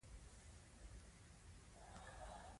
موږ باید اصول ولرو.